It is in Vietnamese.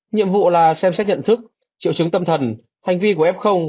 nhiệm vụ là xem xét nhận thức triệu chứng tâm thần hành vi của f